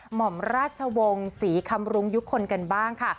ห่อมราชวงศ์ศรีคำรุงยุคคลกันบ้างค่ะ